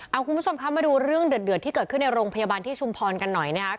เอาคุณผู้ชมคะมาดูเรื่องเดือดที่เกิดขึ้นในโรงพยาบาลที่ชุมพรกันหน่อยนะครับ